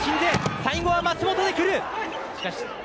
最後は舛本でくる。